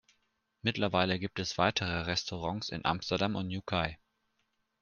Mittlerweile gibt es weitere Restaurants in Amsterdam und Newquay.